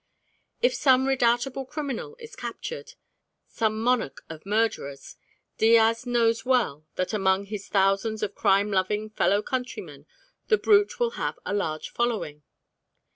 If some redoubtable criminal is captured, some monarch of murderers, Diaz knows well that among his thousands of crime loving fellow countrymen the brute will have a large following.